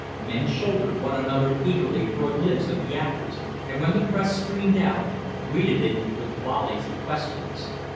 Men shouldered one another eagerly for a glimpse of the actors, and when the press streamed out, greeted it with volleys of questions.